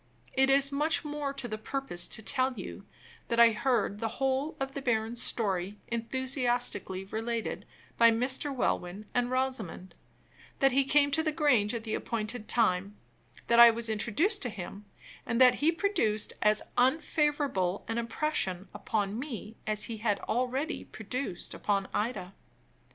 It is much more to the purpose to tell you that I heard the whole of the baron's story enthusiastically related by Mr. Welwyn and Rosamond; that he came to the Grange at the appointed time; that I was introduced to him; and that he produced as unfavorable an impression upon me as he had already produced upon Ida.